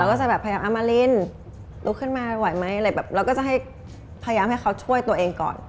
ก็จะแบบพยายามอามารินลุกขึ้นมาไหวไหมอะไรแบบเราก็จะให้พยายามให้เขาช่วยตัวเองก่อน